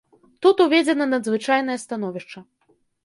Тут уведзена надзвычайнае становішча.